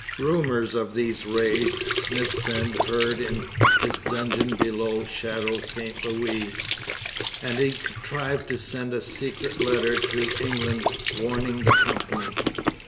Rumours of these raids Smithsend heard in his dungeon below Château St Louis; and he contrived to send a secret letter to England, warning the Company.